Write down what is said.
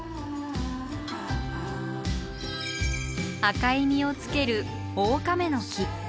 赤い実をつけるオオカメノキ。